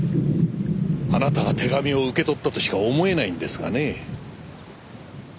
あなたが手紙を受け取ったとしか思えないんですがねえ。